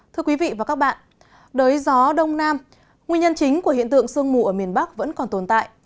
thưa quý vị và các bạn đới gió đông nam nguyên nhân chính của hiện tượng sương mù ở miền bắc vẫn còn tồn tại